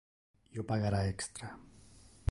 Io pagara extra.